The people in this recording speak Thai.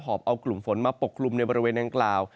อบเอากลุ่มฝนมาปกคลุมในบริเวณดังกล่าว